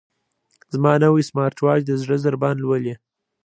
زما نوی سمارټ واچ د زړه ضربان لولي.